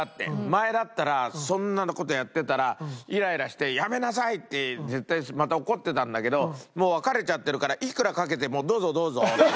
前だったらそんな事やってたらイライラして「やめなさい！」って絶対また怒ってたんだけどもう別れちゃってるからいくらかけても「どうぞどうぞ」って。